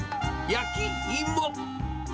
焼き芋。